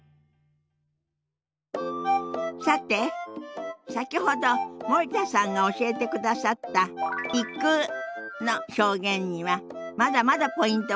さて先ほど森田さんが教えてくださった「行く」の表現にはまだまだポイントがあるようよ。